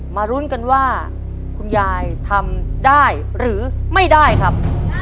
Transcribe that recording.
มาลุ้นกันว่าคุณยายทำได้หรือไม่ได้ครับ